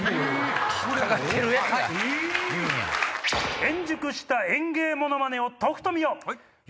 円熟した演芸モノマネをとくと見よ！